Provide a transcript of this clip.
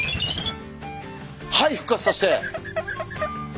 はい復活させて！